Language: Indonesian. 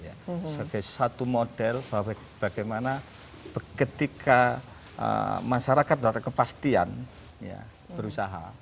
sebagai satu model bagaimana ketika masyarakat berada kepastian berusaha